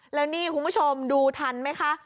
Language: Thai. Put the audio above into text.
แล้วนี่คุณผู้ชมดูทันไหมคะ